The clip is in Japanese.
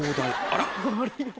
あら。